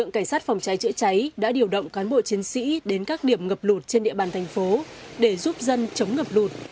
cảnh sát phòng cháy chữa cháy đã điều động cán bộ chiến sĩ đến các điểm ngập lụt trên địa bàn thành phố để giúp dân chống ngập lụt